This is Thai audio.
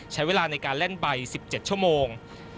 ใช้เวลาในการเล่นใบ๑๗ชั่วโมง